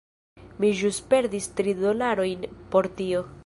Mi ĵus perdis tri dolarojn por tio.